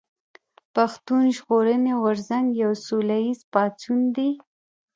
پښتون ژغورني غورځنګ يو سوله ايز پاڅون دي